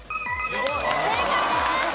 正解です。